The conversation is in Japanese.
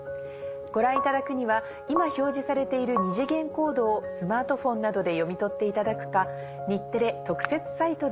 ご覧いただくには今表示されている二次元コードをスマートフォンなどで読み取っていただくか。